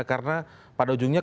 karena pada ujungnya